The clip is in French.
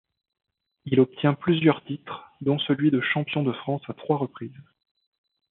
Il obtient plusieurs titres, dont celui de champion de France à trois reprises.